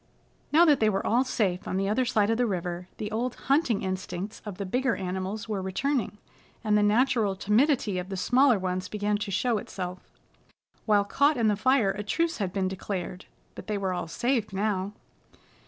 Now that they were all safe on the other side of the river, the old hunting instincts of the bigger animals were returning, and the natural timidity of the smaller ones began to show itself. While caught in the fire a truce had been declared, but they were all safe now.